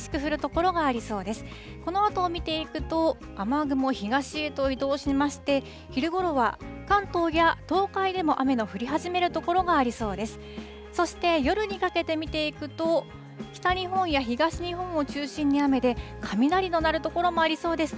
このあとを見ていくと、雨雲、東へと移動しまして、昼ごろは関東や東海でも雨の降り始める所がありそうです。